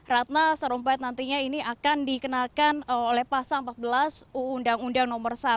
ratna sarumpait nantinya ini akan dikenakan oleh pasal empat belas undang undang nomor satu